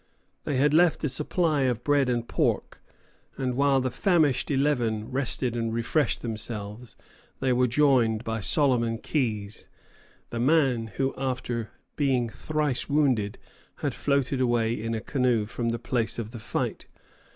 They had left a supply of bread and pork, and while the famished eleven rested and refreshed themselves they were joined by Solomon Keyes, the man who, after being thrice wounded, had floated away in a canoe from the place of the fight.